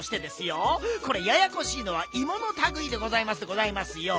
これややこしいのはイモのたぐいでございますでございますよ。